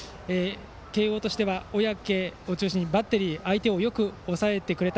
慶応としては小宅を中心としたバッテリー相手をよく抑えてくれた。